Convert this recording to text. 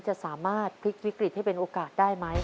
จะสามารถพลิกวิกฤตให้เป็นโอกาสได้ไหม